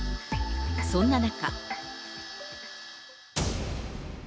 そんな中。